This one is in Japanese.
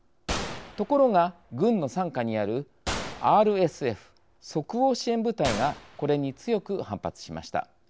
ところが、軍の傘下にあるＲＳＦ＝即応支援部隊がこれに強く反発しました。